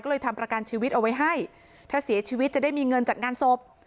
ก็เลยทำประกันชีวิตเอาไว้ให้ถ้าเสียชีวิตจะได้มีเงินจัดงานศพ